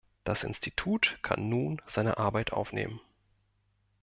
Das Institut kann nun seine Arbeit aufnehmen.